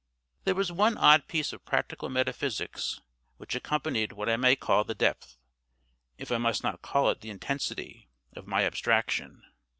There was one odd piece of practical metaphysics which accompanied what I may call the depth, if I must not call it the intensity, of my abstraction.